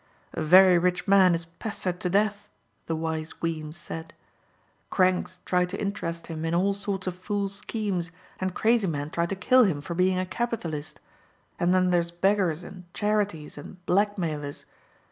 "A very rich man is pestered to death," the wise Weems said. "Cranks try to interest him in all sorts of fool schemes and crazy men try to kill him for being a capitalist. And then there's beggars and charities and blackmailers.